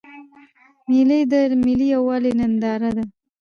مېلې د ملي یوالي ننداره ده.